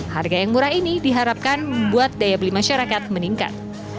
harga yang murah ini diharapkan membuat daya beli masyarakat meningkat